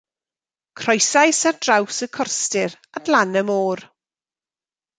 Croesais ar draws y corstir at lan y môr.